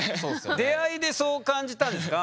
出会いでそう感じたんですか？